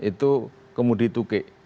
itu kemudian itu itu bergerak kemana